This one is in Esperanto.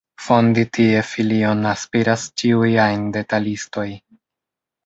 Fondi tie filion aspiras ĉiuj ajn detalistoj.